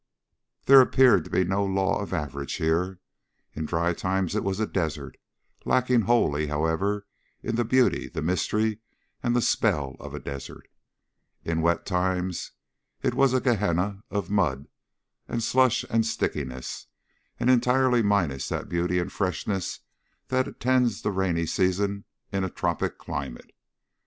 There appeared to be no law of average here. In dry times it was a desert, lacking wholly, however, in the beauty, the mystery, and the spell of a desert; in wet times it was a gehenna of mud and slush and stickiness, and entirely minus that beauty and freshness that attends the rainy seasons in a tropic clime.